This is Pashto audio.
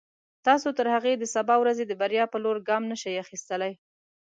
تاسو تر هغې د سبا ورځې د بریا په لور ګام نشئ اخیستلای.